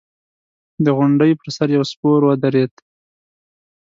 د غونډۍ پر سر يو سپور ودرېد.